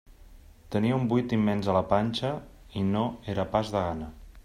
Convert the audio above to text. Tenia un buit immens a la panxa i no era pas de gana.